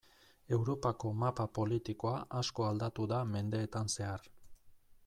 Europako mapa politikoa asko aldatu da mendeetan zehar.